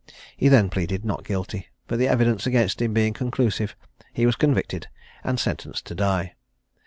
He then pleaded not guilty; but the evidence against him being conclusive, he was convicted, and sentenced to die.